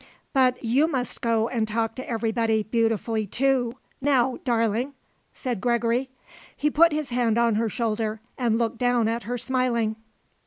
"But you must go and talk to everybody beautifully, too, now, darling," said Gregory. He put his hand on her shoulder and looked down at her smiling.